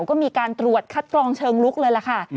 ก็มีการตรวจคัดกรองเชิงลุกเลยล่ะค่ะ